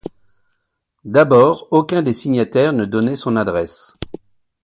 D'abord aucun des signataires ne donnait son adresse.